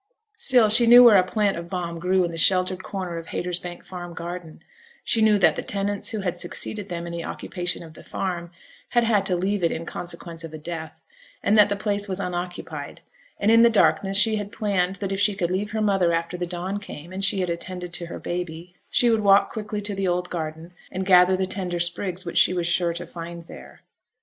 Still she knew where a plant of balm grew in the sheltered corner of Haytersbank Farm garden; she knew that the tenants who had succeeded them in the occupation of the farm had had to leave it in consequence of a death, and that the place was unoccupied; and in the darkness she had planned that if she could leave her mother after the dawn came, and she had attended to her baby, she would walk quickly to the old garden, and gather the tender sprigs which she was sure to find there.